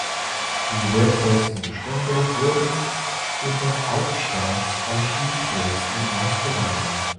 Die wertvollsten Bestände wurden in das Hauptstaatsarchiv Dresden ausgelagert.